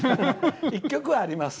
１曲はあります。